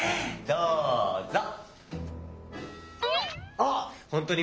・どうぞ。